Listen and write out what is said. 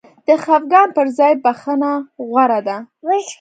د خفګان پر ځای بخښنه غوره ده.